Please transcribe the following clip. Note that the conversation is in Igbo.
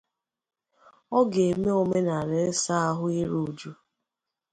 ọ ga-eme omenala ịsa ahụ iru uju